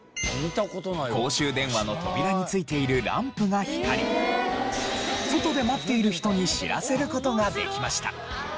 公衆電話の扉に付いているランプが光り外で待っている人に知らせる事ができました。